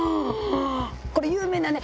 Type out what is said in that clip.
これ有名なね